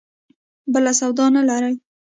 بله سودا نه لري.